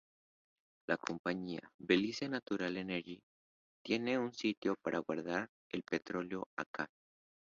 La compañía "Belize Natural Energy" tiene un sitio para guardar el petróleo acá.